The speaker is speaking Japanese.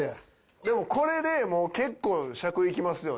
でもこれでもう結構尺いきますよね。